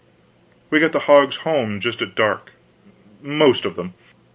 We got the hogs home just at dark most of them.